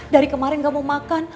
dari kemarin gak mau makan